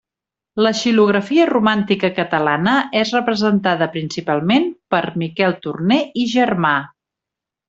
La xilografia romàntica catalana és representada, principalment, per Miquel Torner i Germà.